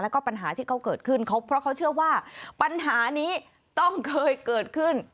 แล้วก็ปัญหาที่เขาเกิดขึ้นเพราะเขาเชื่อว่าปัญหานี้ต้องเคยเกิดขึ้น